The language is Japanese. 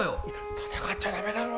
戦っちゃ駄目だろう。